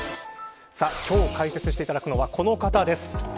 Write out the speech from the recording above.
今日、解説していただくのはこの方です。